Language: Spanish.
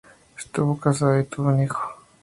Estuvo casado y tuvo un hijo.